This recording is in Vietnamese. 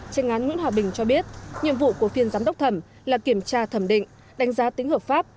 tranh án nguyễn hòa bình cho biết nhiệm vụ của phiên giám đốc thẩm là kiểm tra thẩm định đánh giá tính hợp pháp